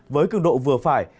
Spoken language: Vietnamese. với cường độ vừa phải